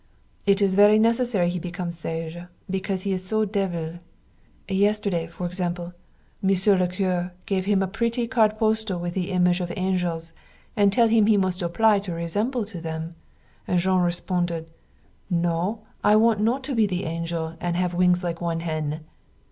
It is very necessary he become sage, because he is so devil. Yesterday, for example, Mr. le Curé give him a pretty card postal with the image of angels and tell him he must apply to resemble to them; and Jean responded, "no I want not to be the angel and have wings like one hen!"